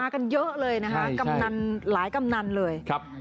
มากันเยอะเลยนะครับกำนันหลายกำนันเลย